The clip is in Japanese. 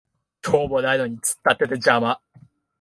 用もないのに突っ立ってて邪魔